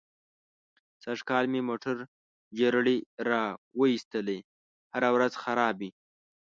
سږ کال مې موټر جرړې را و ایستلې. هره ورځ خراب وي.